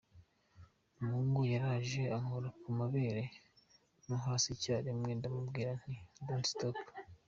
Umuhungu yaraje ankora ku mabere no hasi icyarimwe ndamubwira nti ‘Don’t stop.